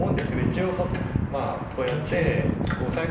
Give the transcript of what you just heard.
一応こうやってオサエ